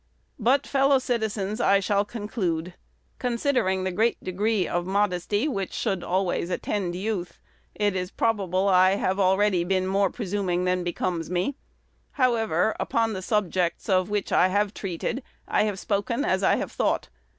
But, fellow citizens, I shall conclude. Considering the great degree of modesty which should always attend youth, it is probable I have already been more presuming than becomes me. However, upon the subjects of which I have treated, I have spoken as I have thought.